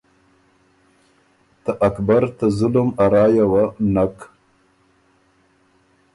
ته اکبر ته ظلم ا رایه وه نک۔